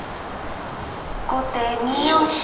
後手２四飛車。